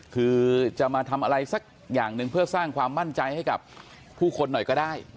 คือจะมาทำอะไรสักอย่างหนึ่งเพื่อสร้างความมั่นใจให้กับผู้คนหน่อยก็ได้